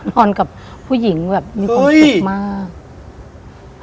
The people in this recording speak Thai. นอนกับผู้หญิงแบบมีความสุขมาก